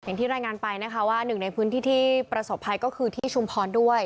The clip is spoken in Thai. อย่างที่รายงานไปนะคะว่าหนึ่งในพื้นที่ที่ประสบภัยก็คือที่ชุมพรด้วย